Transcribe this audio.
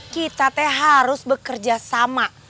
kita harus bekerja sama